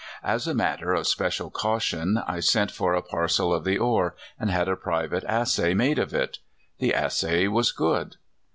As a matter of special caution, I sent for a par cel of the ore, and had a private assay made of it. The assay was good.